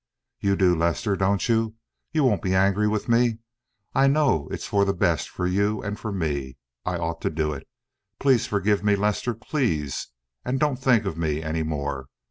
You do, Lester, don't you? You won't be angry with me? I know it's for the best for you and for me. I ought to do it. Please forgive me, Lester, please; and don't think of me any more.